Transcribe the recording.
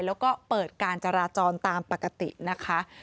แล้วก็เปิดการจราจรตามปกตินะคะ